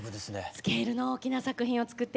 スケールの大きな作品を作って頂きました。